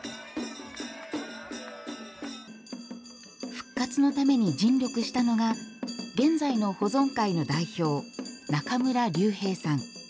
復活のために尽力したのが現在の保存会の代表中村隆兵さん。